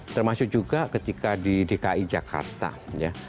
termasuk juga ketika di dki jakarta ya